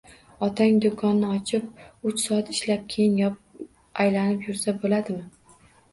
— Otang do'konni ochib, uch soat ishlab keyin yopib, aylanib yursa, bo'ladimi?